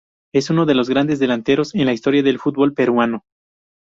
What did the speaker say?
Es uno de los grandes delanteros en la historia del fútbol peruano.